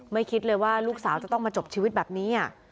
คิดเลยว่าลูกสาวจะต้องมาจบชีวิตแบบนี้